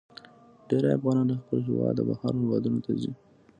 ډیرې افغانان له خپل هیواده بهر هیوادونو ته ځي.